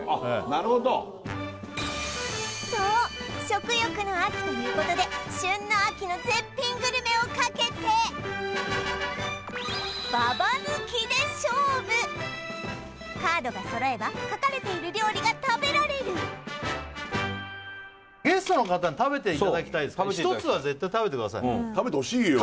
なるほどそう食欲の秋ということで旬の秋の絶品グルメを懸けてババ抜きで勝負カードが揃えば書かれている料理が食べられるゲストの方に食べていただきたいですけど１つは絶対食べてくださいね食べてほしいよ